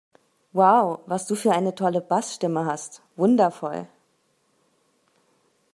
Wow, was du für eine tolle Bassstimme hast! Wundervoll!